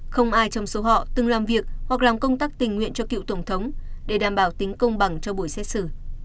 không ai trong số họ từng làm việc hoặc làm công tác tình nguyện cho cựu tổng thống để đảm bảo tính công bằng cho buổi xét xử